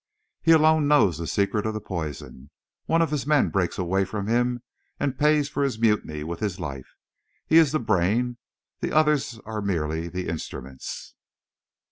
He alone knows the secret of the poison; one of his men breaks away from him, and pays for his mutiny with his life. He is the brain; the others are merely the instruments!"